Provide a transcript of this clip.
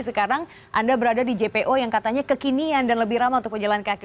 sekarang anda berada di jpo yang katanya kekinian dan lebih ramah untuk pejalan kaki